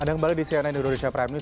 anda kembali di cnn indonesia prime news